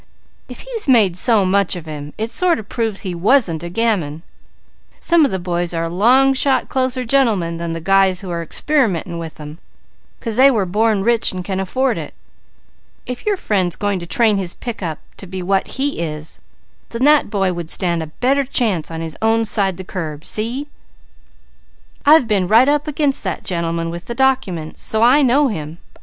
"If he's made so much of him, it sort of proves that he wasn't a gamin. Some of the boys are a long shot closer gentlemen than the guys who are experimenting with them; 'cause they were born rich and can afford it. If your friend's going to train his pick up to be what he is, then that boy would stand a better chance on his own side the curb. See? I've been right up against that gentleman with the documents, so I know him.